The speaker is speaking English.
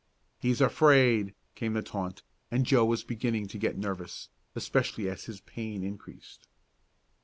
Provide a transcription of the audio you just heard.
"He's afraid!" came the taunt, and Joe was beginning to get nervous, especially as his pain increased.